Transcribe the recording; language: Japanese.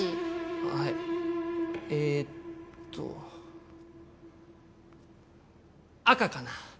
あっえっと赤かな？